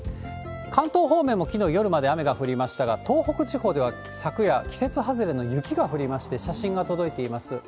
関東方面もきのう夜まで雨が降りましたが、東北地方では昨夜、季節外れの雪が降りまして、うわー。